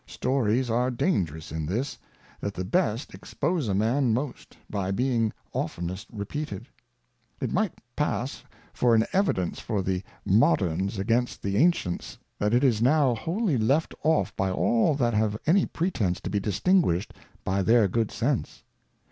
Stories are dangerous in this, that the best expose a Man most, by being oftenest repeated. It might pass for an Evidence King Charles II. 199 Evidence for the Moderns against the Ancients, that it is now wholly left off by all that have any pretence to be distinguished by their good Sense.